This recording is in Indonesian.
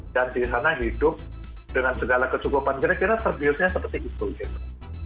dan di sana hidup dengan segala kecukupan kira kira terbiusnya seperti itu gitu